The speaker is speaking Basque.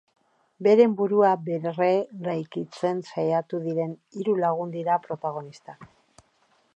Beren burua berreraikitzen saiatuko diren hiru lagun dira protagonistak.